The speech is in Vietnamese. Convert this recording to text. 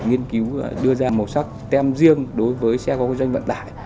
nghiên cứu đưa ra màu sắc tem riêng đối với xe ô tô doanh vận tải